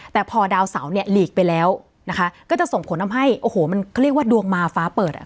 แต่พอดาวเสาเนี่ยหลีกไปแล้วนะคะก็จะส่งผลทำให้โอ้โหมันเขาเรียกว่าดวงมาฟ้าเปิดอ่ะ